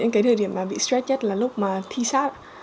cái thời điểm mà bị stress nhất là lúc mà thi sat